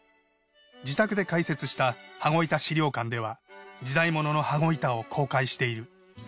自宅で開設した羽子板資料館では時代物の羽子板を公開している。